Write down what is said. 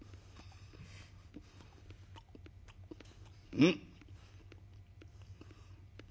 「うん」。